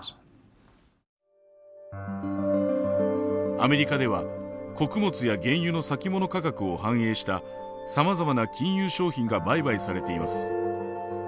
アメリカでは穀物や原油の先物価格を反映したさまざまな金融商品が売買されています。